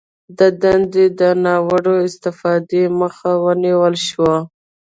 د دندې د ناوړه استفادې مخه ونیول شوه